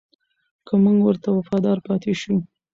که موږ ورته وفادار پاتې شو.